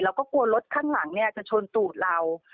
แล้วก็กลัวรถข้างหลังเนี่ยจะชนตูดเรา